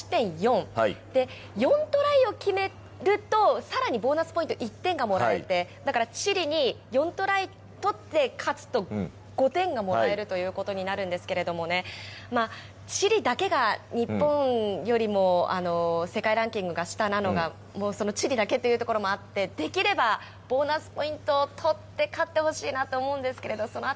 ワールドカップ勝てば勝ち点４、４トライを決めると、さらにボーナスポイント１点がもらえて、だからチリに４トライ取って勝つと５点がもらえるということになるんですけれどもね、チリだけが日本よりも世界ランキングが下なのが、もうチリだけなのがあって、できればボーナスポイントを取って勝ってほしいなと思うんですけ